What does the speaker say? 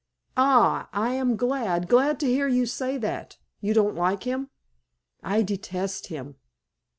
"Ah, I am glad, glad, to hear you say that. You don't like him?" "I detest him."